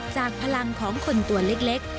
จากพลังของคนตัวเล็ก